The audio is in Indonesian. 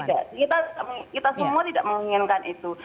tidak kita semua tidak menginginkan itu